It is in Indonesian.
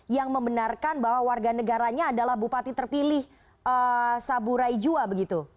yang membenarkan bahwa warga negaranya adalah bupati terpilih saburai jua begitu